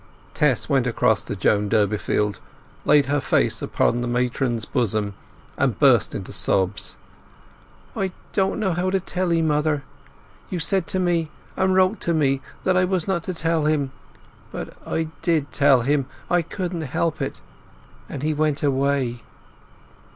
Tess went across to Joan Durbeyfield, laid her face upon the matron's bosom, and burst into sobs. "I don't know how to tell 'ee, mother! You said to me, and wrote to me, that I was not to tell him. But I did tell him—I couldn't help it—and he went away!"